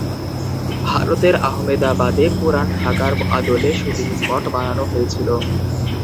ভারতের আহমেদাবাদে পুরান ঢাকার আদলে শুটিং স্পট বানানো হয়েছিল।